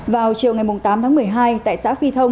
vào chiều ngày tám tháng một mươi hai tại xã phi thông